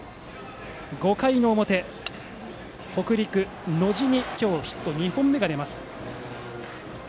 ５回表、北陸野路に今日ヒット２本目が出ます。